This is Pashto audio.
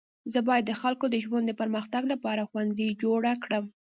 زه باید د خلکو د ژوند د پرمختګ لپاره ښوونځی جوړه کړم.